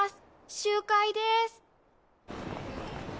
集会です。